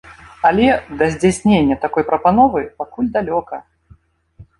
Але да здзяйснення такой прапановы пакуль далёка.